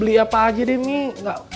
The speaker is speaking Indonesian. beli apa aja deh mie